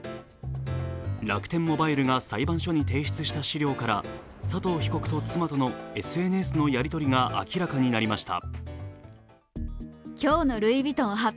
楽天モバイルが裁判所に提出した資料から、佐藤被告と妻とのＳＮＳのやり取りが明らかになりました。